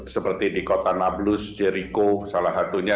seperti di kota nablus jeriko salah satunya